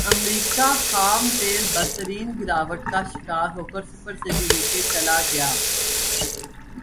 امریکی خام تیل بدترین گراوٹ کا شکار ہوکر صفر سے بھی نیچے چلا گیا